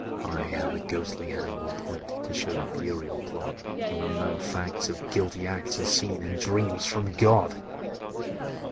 — Ay, how the ghostly hand will point To show the burial clod: And unknown facts of guilty acts Are seen in dreams from God!